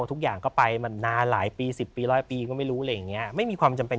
ทุกอย่างก็ไปมานานหลายปี๑๐ปี๑๐๐ปีไม่ดูเลยเองน่ะไม่มีความจำเป็น